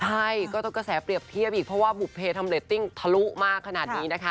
ใช่ก็ต้องกระแสเปรียบเทียบอีกเพราะว่าบุภเพทำเรตติ้งทะลุมากขนาดนี้นะคะ